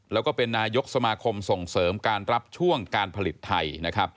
แล้วก็เป็นนายกสมาคมส่งเสริมการรับช่วงการผลิตไทยนะครับ